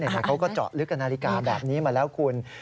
เขาก็เจาะลึกกับนาฬิกาแบบนี้มาแล้วคุณ